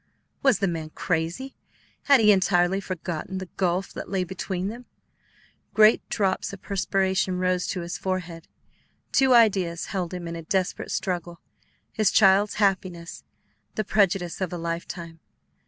Was the man crazy? Had he entirely forgotten the gulf that lay between them? Great drops of perspiration rose to his forehead. Two ideas held him in a desperate struggle, his child's happiness; the prejudice of a lifetime.